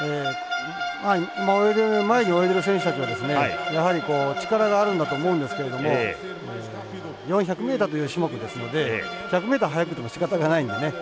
今泳いでいる前に泳いでいる選手たちはですねやはり力があるんだと思うんですけれども４００ｍという種目ですので１００ｍ速くてもしかたがないんでね。